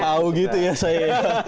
tau gitu ya saya